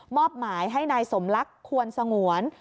อบหมายให้นายสมลักษณ์ควรสงวน